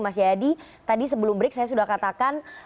mas jayadi tadi sebelum break saya sudah katakan